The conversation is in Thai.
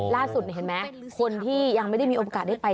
เห็นไหมคนที่ยังไม่ได้มีโอกาสได้ไป